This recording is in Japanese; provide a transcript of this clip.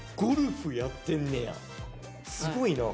すごいな。